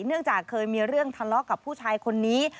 เนื่องจากเคยมีเรื่องทะเลาะกับผู้ชายคนนี้